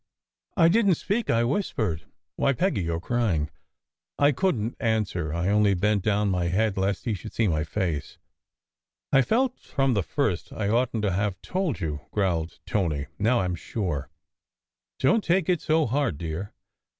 "I didn t speak," I whispered. "Why, Peggy, you re crying!" I couldn t answer. I only bent down my head lest he should see my face. "I felt from the first I oughtn t to have told you," 148 SECRET HISTORY growled Tony. "Now I m sure. Don t take it so hard, dear.